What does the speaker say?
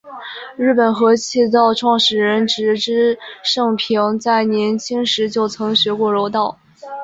日本合气道创始人植芝盛平在年轻时就曾学过柔道。